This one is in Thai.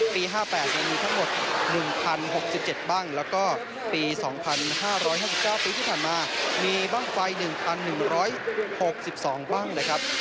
ปี๕๘มีทั้งหมด๑๐๖๗บ้างแล้วก็ปี๒๕๕๙ปีที่ผ่านมามีบ้างไฟ๑๑๖๒บ้างนะครับ